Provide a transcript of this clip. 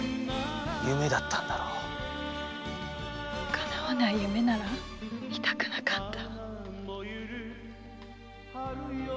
かなわない夢なら見たくなかった！